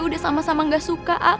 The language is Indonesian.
udah sama sama gak suka